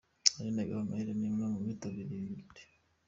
Aline Gahongayire ni umwe mu bitabiriye ibi birori.